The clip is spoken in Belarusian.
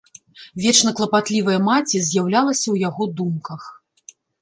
Вечна клапатлівая маці з'яўлялася ў яго думках.